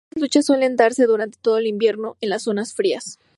Estas luchas suelen darse durante todo el invierno en las zonas frías.